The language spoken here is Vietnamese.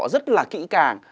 rất là kỹ càng